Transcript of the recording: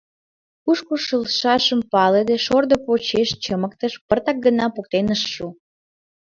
Кушко шылшашым палыде, шордо почеш чымыктыш, пыртак гына поктен ыш шу.